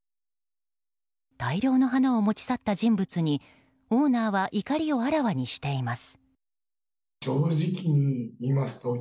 大量の花を持ち去った人物にオーナーは怒りをあらわにしています。